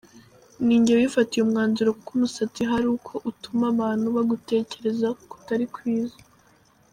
Ninjye wifatiye umwanzuro kuko umusatsi hari uko utuma abantu bagutekereza kutari kwiza.